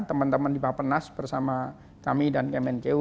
teman teman di bapak nas bersama kami dan kmnku